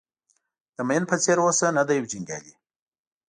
د مین په څېر اوسه نه د یو جنګیالي.